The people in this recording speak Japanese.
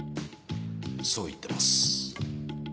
そう言ってます。